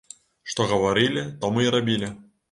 Што гаварылі, то мы і рабілі.